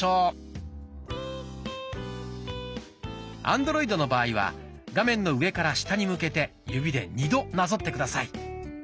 アンドロイドの場合は画面の上から下に向けて指で２度なぞって下さい。